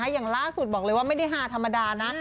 อย่างล่าสุดบอกเลยว่าไม่ได้ฮาธรรมดานะ